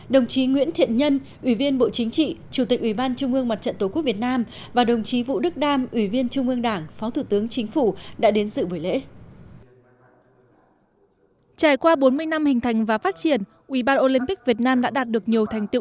đồng chí nguyễn thiện nhân ủy viên bộ chính trị chủ tịch ủy ban trung ương mặt trận tổ quốc việt nam và đồng chí vũ đức đam ủy viên trung ương đảng phó thủ tướng chính phủ đã đến dự buổi lễ